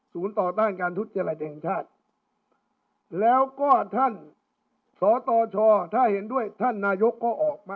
ต่อต้านการทุจริตแห่งชาติแล้วก็ท่านสตชถ้าเห็นด้วยท่านนายกก็ออกมา